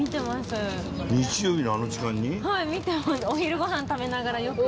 お昼ご飯食べながらよく。